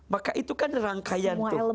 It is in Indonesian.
maka itu kan rangkaian